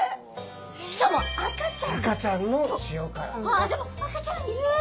あっでも赤ちゃんいる！